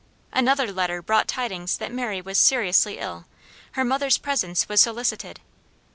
Another letter brought tidings that Mary was seriously ill; her mother's presence was solicited.